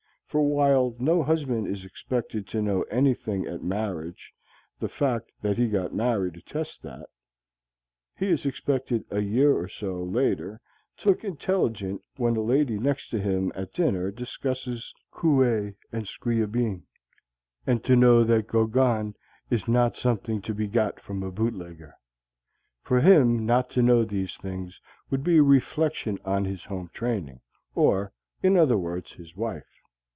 For while no husband is expected to know anything at marriage (the fact that he got married attests that), he is expected a year or so later to look intelligent when the lady next to him at dinner discusses Coué and Scriabine, and to know that Gauguin is not something to be got from a bootlegger. For him not to know these things would be a reflection on his home training, or, in other words, his wife.